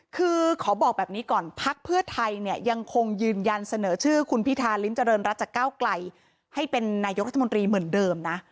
คือขอบอกแบบนี้ก่อนพักเพื่อไทยเนี่ยยังคงยืนยันเสนอชื่อคุณพิธาริมเจริญรัฐจากก้าวไกลให้เป็นนายกรัฐมนตรีเหมือนเดิมนะ